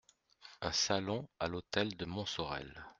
Un salon à l’hôtel de Montsorel.